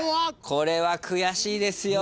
これは悔しいですよ